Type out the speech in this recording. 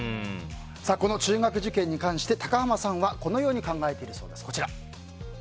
この中学受験に関して高濱さんはこのように考えているそうです。